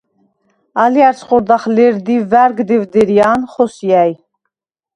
ალჲა̈რს ხურდახ ლერდი, ვა̈რგ დევდარია̄ნ, ხოსია̈ჲ.